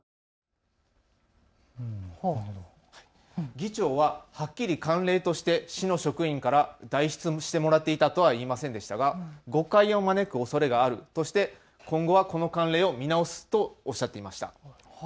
議長ははっきり慣例として市の職員から代筆してもらっていたとは言いませんでしたが誤解を招くおそれがあるとして今後はこの慣例を見直すとおっしゃっていました。